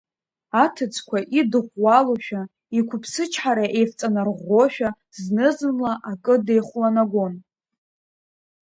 Аҭыӡқәа идыӷәӷәалошәа, иқәыԥсычҳара еивҵанарӷәӷәошәа зны-зынла акы деихәланагәон.